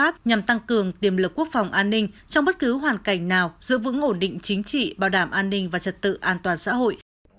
phòng an ninh trong bất cứ hoàn cảnh nào giữ vững ổn định chính trị bảo đảm an ninh và trật tự an toàn xã hội